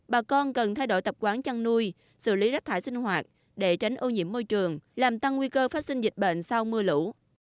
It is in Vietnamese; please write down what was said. bà con cần thay đổi tập quán chăn nuôi xử lý rác thải sinh hoạt để tránh ô nhiễm môi trường làm tăng nguy cơ phát sinh dịch bệnh sau mưa lũ